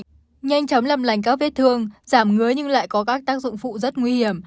nhanh chóng làm lành các vết thương giảm ngứa nhưng lại có các tác dụng phụ rất nguy hiểm